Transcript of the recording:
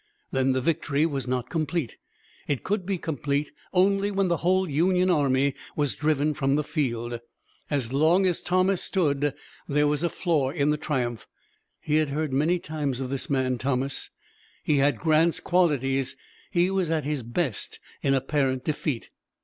Then the victory was not complete. It could be complete only when the whole Union army was driven from the field. As long as Thomas stood, there was a flaw in the triumph. He had heard many times of this man, Thomas. He had Grant's qualities. He was at his best in apparent defeat.